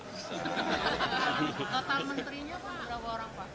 total menterinya pak berapa orang pak